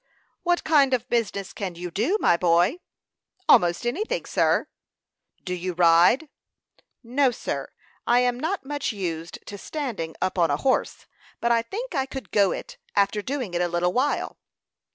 "What kind of business can you do, my boy?" "Almost anything, sir." "Do you ride?" "No, sir; I'm not much used to standing up on a horse, but I think I could go it, after doing it a little while."